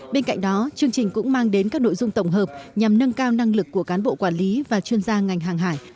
bên cạnh đó chương trình cũng mang đến các nội dung tổng hợp nhằm nâng cao năng lực của cán bộ quản lý và chuyên gia ngành hàng hải